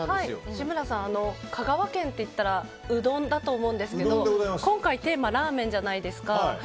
香川県っていったらうどんだと思うんですけど今回、テーマラーメンじゃないですか。